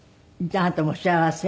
じゃああなたも幸せ？